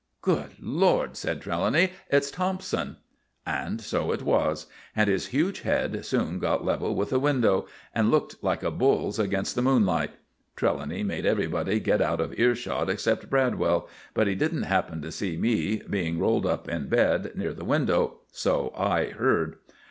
"Good Lord!" said Trelawny, "it's Thompson!" And so it was, and his huge head soon got level with the window, and looked like a bull's against the moonlight. Trelawny made everybody get out of earshot except Bradwell; but he didn't happen to see me, being rolled up in bed near the window, so I heard.